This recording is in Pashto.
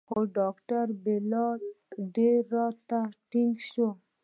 خو ډاکتر بلال ډېر راته ټينګ سو.